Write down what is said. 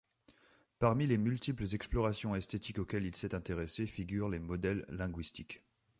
Parmi les multiples explorations esthétiques auxquelles il s’est intéressé figurent les modèles linguistiques.